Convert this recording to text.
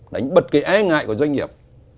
đánh bật cái e ngại của doanh nghiệp